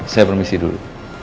saya permisi dulu